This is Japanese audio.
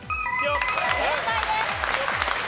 正解です。